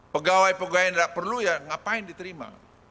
pegawai pegawai yang tidak perlu ya ngapain diterima